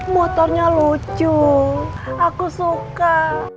motornya lucu aku suka